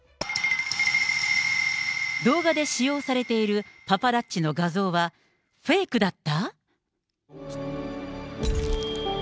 動画で使用されているパパラッチの画像はフェイクだった？